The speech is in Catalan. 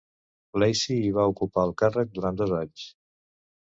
Lacy i va ocupar el càrrec durant dos anys.